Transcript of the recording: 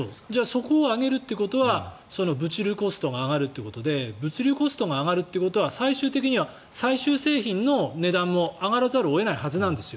そこを上げるということは物流コストが上がるということで物流コストが上がるということは最終的には最終製品の値段も上がらざるを得ないはずなんです。